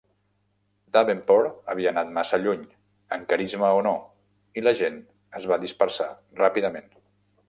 Davenport havia anat massa lluny, amb carisma o no, i la gent es va dispersar ràpidament.